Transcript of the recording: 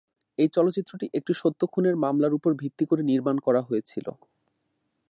এই চলচ্চিত্রটি একটি সত্য খুনের মামলার উপর ভিত্তি করে নির্মাণ করা হয়েছিল।